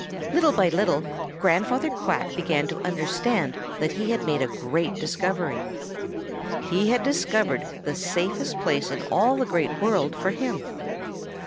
"Little by little, Grandfather Quack began to understand that he had made a great discovery. He had discovered the safest place in all the Great World for him.